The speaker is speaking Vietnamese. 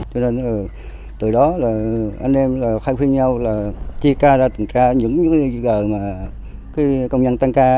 cho nên từ đó là anh em khai khuyên nhau là chia ca ra tường tra những cái gì gần mà công nhân tăng ca